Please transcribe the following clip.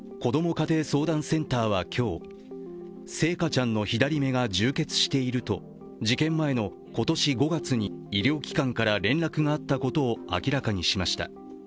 家庭相談センターは今日星華ちゃんの左目が充血していると事件前の今年５月に医療機関から連絡があったことを明らかにしました。